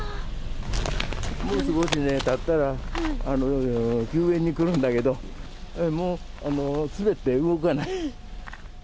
もう少したったら救援に来るんだけど、もう滑って動かない。